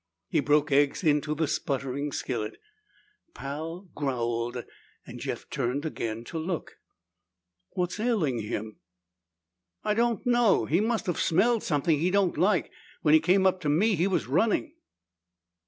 He broke eggs into the sputtering skillet. Pal growled and Jeff turned again to look. "What's ailing him?" "I don't know. He must have smelled something he don't like. When he came up to me, he was running."